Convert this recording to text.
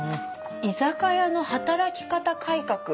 「居酒屋の働き方改革」。